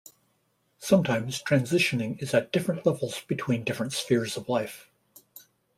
Sometimes transitioning is at different levels between different spheres of life.